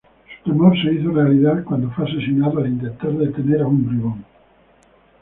Su temor se hizo realidad cuando fue asesinado al intentar detener a un bribón.